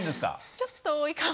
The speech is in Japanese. ちょっと多いかも。